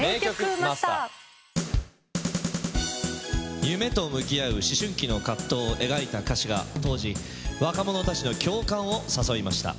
それでは夢と向き合う思春期の葛藤を描いた歌詞が当時若者たちの共感を誘いました。